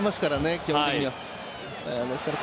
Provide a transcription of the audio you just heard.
基本的には。